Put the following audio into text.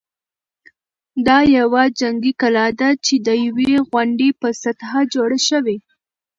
دا یوه جنګي کلا ده چې د یوې غونډۍ په سطحه جوړه شوې.